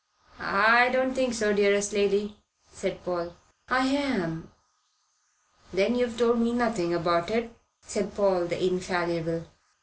"I don't think so, dearest lady," said Paul. "I am." "Then you've told me nothing about it," said Paul the infallible.